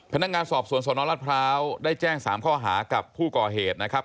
พนักงานสอบสวนสนรัฐพร้าวได้แจ้ง๓ข้อหากับผู้ก่อเหตุนะครับ